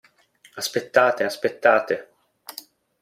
Aspettate, aspettate.